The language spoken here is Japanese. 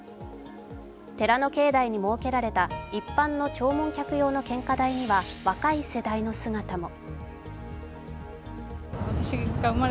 寺の境内に設けられた一般の弔問客用の献花台には若い世代の姿も。